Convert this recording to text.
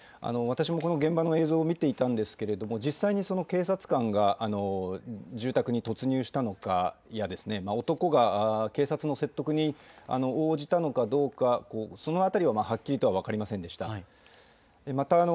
私もこの現場の映像を見ていたんですけれども、実際に、その警察官が住宅に突入したのかや、男が警察の説得に応じたのかどうか、そのあたりははっきりとは分かりませんでした。